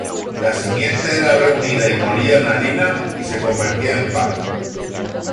La simiente era reunida y molida en harina y se convertía en pan.